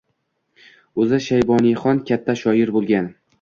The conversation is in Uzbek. O‘zi Shayboniyxon katta shoir bo‘lgan